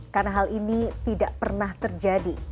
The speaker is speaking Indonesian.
karena hal ini tidak pernah terjadi